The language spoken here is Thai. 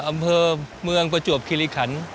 อำเภอเมืองประจวบคิริขัน